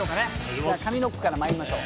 じゃあ上の句からまいりましょう。